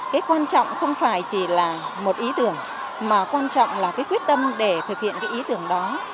cái quan trọng không phải chỉ là một ý tưởng mà quan trọng là cái quyết tâm để thực hiện cái ý tưởng đó